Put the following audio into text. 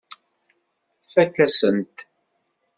Tfakk-asen-t.